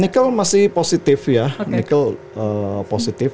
nikel masih positif ya nikel positif